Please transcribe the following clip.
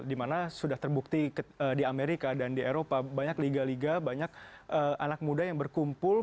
dimana sudah terbukti di amerika dan di eropa banyak liga liga banyak anak muda yang berkumpul